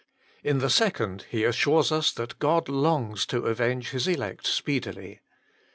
In the second, He assures us that God longs to avenge His elect speedily.